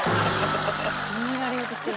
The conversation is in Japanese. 気に入られようとしてる。